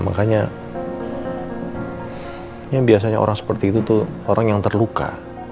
makanya yang biasanya orang seperti itu tuh orang yang terluka